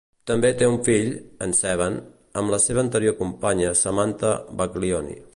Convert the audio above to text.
També té un fill, en Seven, amb la seva anterior companya Samantha Baglioni.